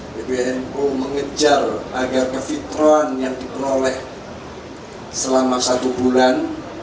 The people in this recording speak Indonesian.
pbnu mengejar agar kefitron yang diperoleh selama satu bulan